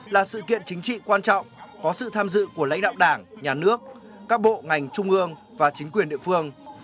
là sự kiện chính trị quan trọng có sự tham dự của lãnh đạo đảng nhà nước các bộ ngành trung ương và chính quyền địa phương